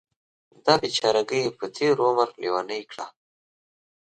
دا بیچارګۍ یې په تېر عمر لیونۍ کړه.